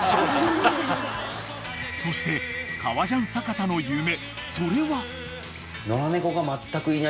［そして革ジャン阪田の夢それは］